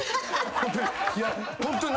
ホントに。